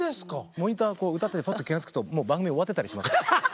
モニター歌っててぱっと気が付くともう番組終わってたりします。